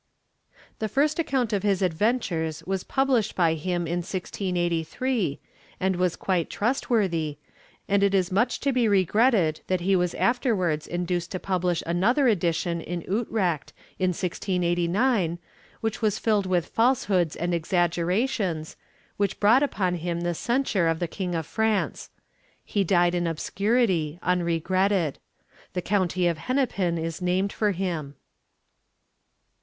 The first account of his adventures was published by him in 1683, and was quite trustworthy, and it is much to be regretted that he was afterwards induced to publish another edition in Utrecht, in 1689, which was filled with falsehoods and exaggerations, which brought upon him the censure of the king of France. He died in obscurity, unregretted. The county of Hennepin is named for him.